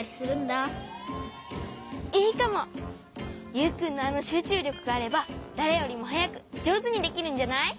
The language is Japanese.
ユウくんのあのしゅうちゅうりょくがあればだれよりもはやくじょうずにできるんじゃない？